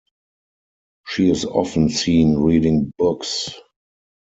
She is often seen reading books.